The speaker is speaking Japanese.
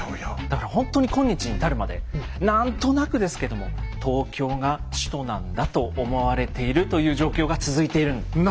だから本当に今日に至るまでなんとなくですけども東京が首都なんだと思われているという状況が続いているんです。